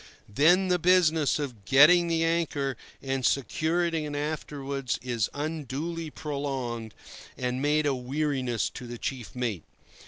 Then the business of "getting the anchor" and securing it afterwards is unduly prolonged, and made a weariness to the chief mate.